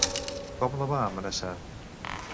Com la va amenaçar?